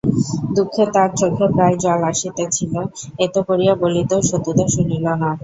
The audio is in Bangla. দুঃখে তাব চোখে প্রায় জল আসিতেছিল-এত করিয়া বলিতেও সতুদা শুনিল না!